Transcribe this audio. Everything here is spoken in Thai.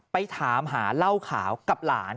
ไปถามหาเหล้าขาวกับหลาน